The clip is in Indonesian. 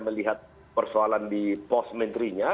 melihat persoalan di pos menterinya